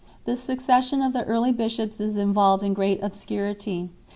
The succession of the early bishops is involved in great obscurity.